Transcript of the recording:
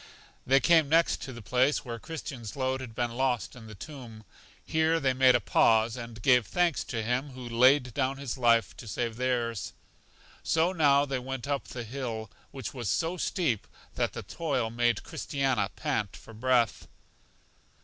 They next came to the place where Christian's load had been lost in the tomb. Here they made a pause, and gave thanks to Him who laid down His life to save theirs. So now they went up the hill, which was so steep that the toil made Christiana pant for breath.